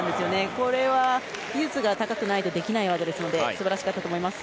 これは、技術が高くないとできない技ですので素晴らしかったと思います。